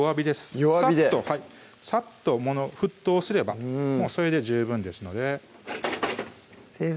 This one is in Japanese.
弱火でさっと沸騰すればそれで十分ですので先生